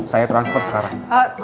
saya transfer sekarang